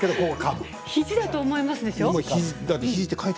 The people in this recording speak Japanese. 肘だと思いますでしょう？